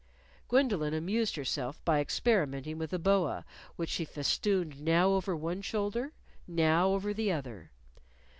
Gwendolyn amused herself by experimenting with the boa, which she festooned, now over one shoulder, now over the other.